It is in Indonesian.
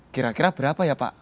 kira kira berapa ya pak